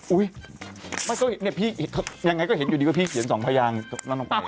อุ๊ยยังไงก็เห็นอยู่ดีกว่าพี่เขียนสองพยางนั่งลงไป